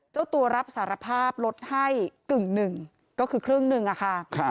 เจ้าตัวรับสารภาพลดให้กึ่งหนึ่งก็คือครึ่งหนึ่งอะค่ะ